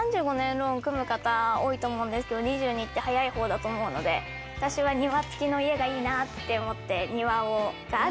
ローン組む方多いと思うんですけれども、２２って早い方だと思うので、私は庭付きの家がいいなと思って。